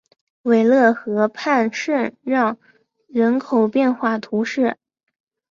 韦勒河畔圣让人口变化图示